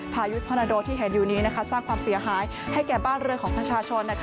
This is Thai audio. พายุฮอนาโดที่เห็นอยู่นี้สร้างความเสียหายให้แก่บ้านเรือนของประชาชน